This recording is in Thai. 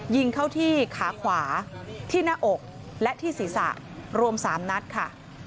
ยิงเข้าที่ขาขวาที่หน้าอกและที่ศีรษะรวม๓นัดค่ะ